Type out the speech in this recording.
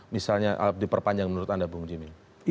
misalnya diperpanjang menurut anda bung jimmy